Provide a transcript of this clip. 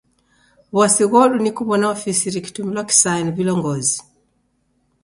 W'asi ghodu ni kuw'ona ofisi rikitumilwa kisaya ni vilongozi.